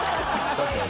確かに。